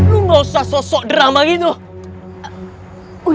ini gak usah sosok drama gitu